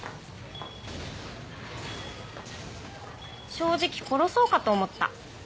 正直殺そうかと思った。